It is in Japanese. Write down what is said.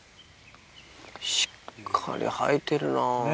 しっかり生えてるな。